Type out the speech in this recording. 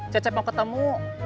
cece mau ketemu